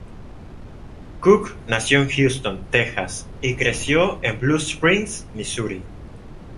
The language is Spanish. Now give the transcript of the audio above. Cook nació en Houston, Texas y creció en Blue Springs, Missouri.